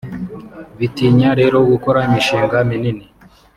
Bitinya rero gukora imishinga minini